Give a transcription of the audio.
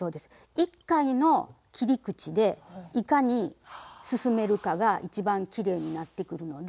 一回の切り口でいかに進めるかが一番きれいになってくるので。